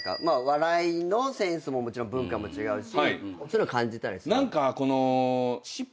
笑いのセンスももちろん文化も違うしそういうの感じたりする？